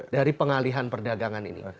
dari pengalihan perdagangan ini